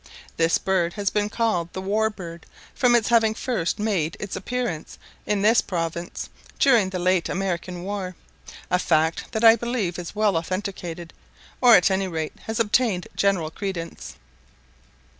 This bird has been called the "war bird," from its having first made its appearance in this province during the late American war; a fact that I believe is well authenticated, or at any rate has obtained general credence.